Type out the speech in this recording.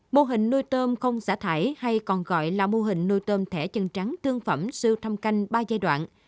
mô hình nuôi tôm không xả thải hay còn gọi là mô hình nuôi tôm thẻ chân trắng thương phẩm siêu thâm canh ba giai đoạn